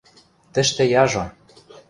– Тӹштӹ яжо.